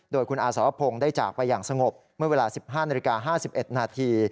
โดยคุณอาสรพงศ์ได้จากไปอย่างสงบเมื่อเวลา๑๕นาฬิกา๕๑นาที